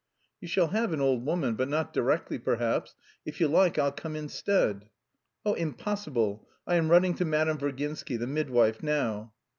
"You shall have an old woman, but not directly, perhaps... If you like I'll come instead...." "Oh, impossible; I am running to Madame Virginsky, the midwife, now."